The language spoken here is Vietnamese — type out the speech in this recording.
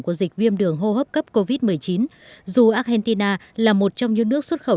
của dịch viêm đường hô hấp cấp covid một mươi chín dù argentina là một trong những nước xuất khẩu